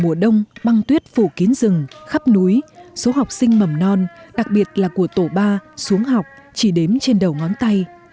mùa đông băng tuyết phủ kín rừng khắp núi số học sinh mầm non đặc biệt là của tổ ba xuống học chỉ đếm trên đầu ngón tay